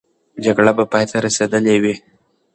جګړه به پای ته رسېدلې وي.